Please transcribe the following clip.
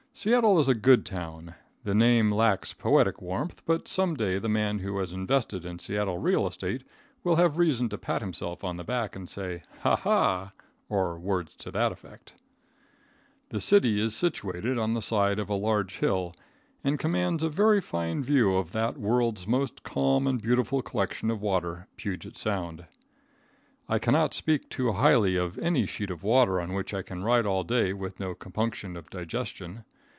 Seattle is a good town. The name lacks poetic warmth, but some day the man who has invested in Seattle real estate will have reason to pat himself on the back and say "ha ha," or words to that effect. The city is situated on the side of a large hill and commands a very fine view of that world's most calm and beautiful collection of water, Puget Sound. I cannot speak too highly of any sheet of water on which I can ride all day with no compunction of digestion.